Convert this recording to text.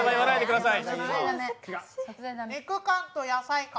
肉感と野菜感。